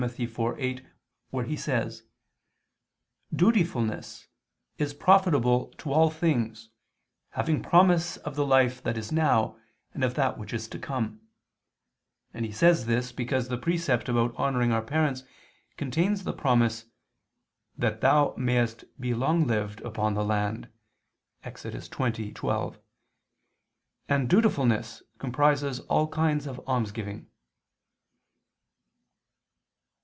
4:8) where he says: "Dutifulness* [Douay: 'Godliness'] is profitable to all things, having promise of the life that now is, and of that which is to come," and he says this because the precept about honoring our parents contains the promise, "that thou mayest be longlived upon the land" (Ex. 20:12): and dutifulness comprises all kinds of almsgiving.